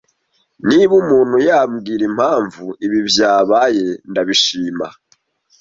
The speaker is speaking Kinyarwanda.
Niba umuntu yambwira impamvu ibi byabaye, ndabishima.